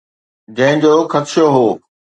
جنهن جو خدشو هو.